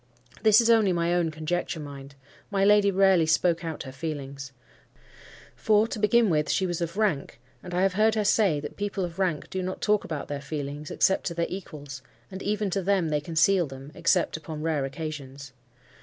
This is only my own conjecture, mind. My lady rarely spoke out her feelings. For, to begin with, she was of rank: and I have heard her say that people of rank do not talk about their feelings except to their equals, and even to them they conceal them, except upon rare occasions.